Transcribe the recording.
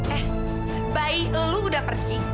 eh bayi lu udah pergi